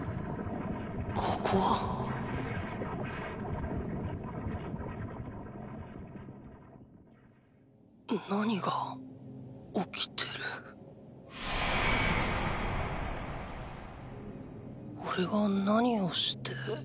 ここは⁉何が起きてるおれは何をして。